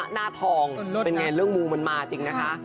หน้าทองเป็นไงเรื่องมูมันมาจริงนะคะ